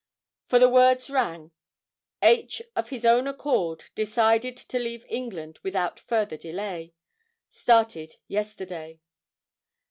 For the words ran, '_H. of his own accord decided to leave England without further delay. Started yesterday.